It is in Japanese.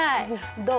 どう？